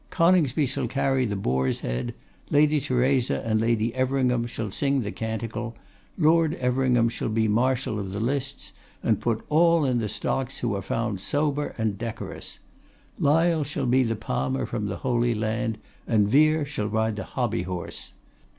Coningsby shall carry the Boar's head; Lady Theresa and Lady Everingham shall sing the canticle; Lord Everingham shall be marshal of the lists, and put all in the stocks who are found sober and decorous; Lyle shall be the palmer from the Holy Land, and Vere shall ride the Hobby horse.